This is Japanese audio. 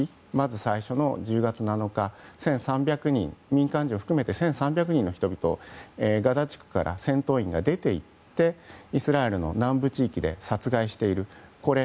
最初の１０月７日の民間人を含めて１３００人の人々ガザ地区から戦闘員が出て行ってイスラエルの南部地域で殺害しているということ。